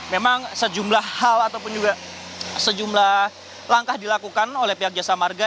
memang sejumlah hal ataupun juga sejumlah langkah dilakukan oleh pihak jasa marga